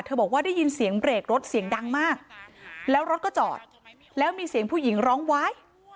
บอกว่าได้ยินเสียงเบรกรถเสียงดังมากแล้วรถก็จอดแล้วมีเสียงผู้หญิงร้องว้าย